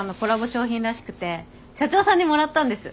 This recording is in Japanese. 商品らしくて社長さんにもらったんです。